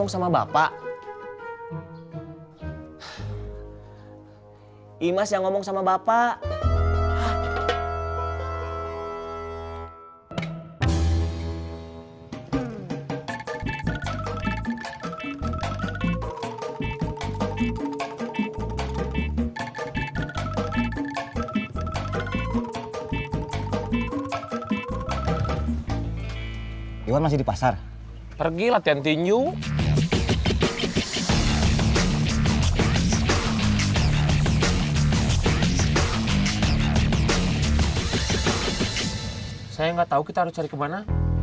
saya gak tau kita harus cari kemana